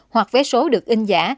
hoặc vé số được in giả